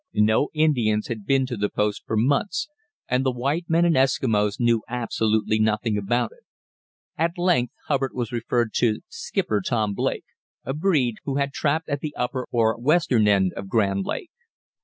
No Indians had been to the post for months, and the white men and Eskimos knew absolutely nothing about it. At length Hubbard was referred to "Skipper" Tom Blake, a breed, who had trapped at the upper or western end of Grand Lake.